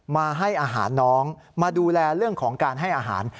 มาให้อาหารน้องมาดูแลเรื่องของการให้อาหาร